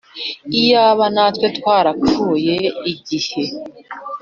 Iyaba natwe twarapfuye igihe